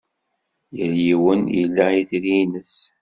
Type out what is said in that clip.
Yal yiwen ila itri-nnes.